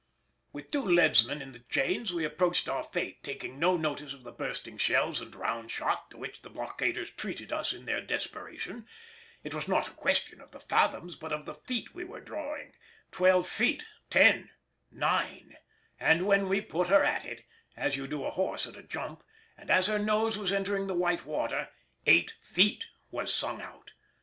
With two leadsmen in the chains we approached our fate, taking no notice of the bursting shells and round shot to which the blockaders treated us in their desperation; it was not a question of the fathoms but of the feet we were drawing: twelve feet, ten, nine, and when we put her at it, as you do a horse at a jump, and as her nose was entering the white water, "eight feet" was sung out.